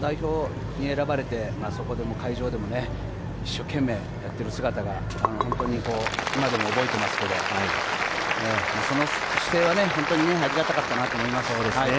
代表に選ばれて、そこでも会場でも、一生懸命やっている姿が本当に今でも覚えていますけど、その姿勢は本当にありがたかったなと思います。